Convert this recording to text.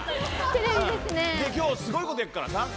今日、すごいことやっから。